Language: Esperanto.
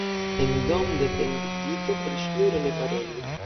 En dom' de pendigito pri ŝnuro ne parolu.